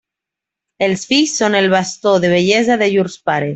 Els fills són el bastó de vellesa de llurs pares.